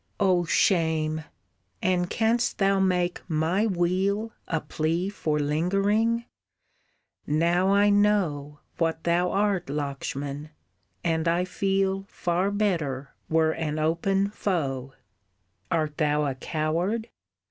"Oh shame! And canst thou make my weal A plea for lingering! Now I know What thou art Lakshman! And I feel Far better were an open foe. Art thou a coward?